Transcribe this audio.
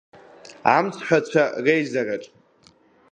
Амцҳәацәа реизараҿ.